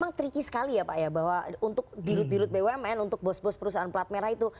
memang tricky sekali ya pak ya bahwa untuk dirut dirut bumn untuk bos bos perusahaan pelat merah itu